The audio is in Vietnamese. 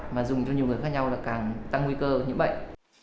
mà dùng cho nhiều người khác nhau là càng tăng nguy cơ nhiễm bệnh